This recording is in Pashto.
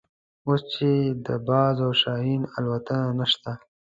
اوس چې د باز او شاهین الوتنه نشته.